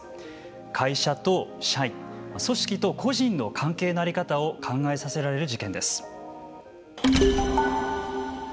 会社と社員組織と個人の関係の在り方を考えさせられる事件です。